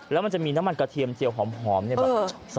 แล้วมันจะมีน้ำมันกระเทียมเจียวหอมเนี่ยแบบ